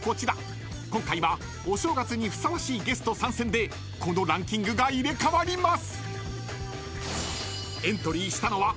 ［今回はお正月にふさわしいゲスト参戦でこのランキングが入れ替わります］